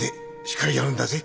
しっかりやるんだぜ。